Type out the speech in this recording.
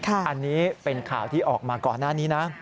อันนี้เป็นข่าวที่ออกมาก่อนหน้านี้นะ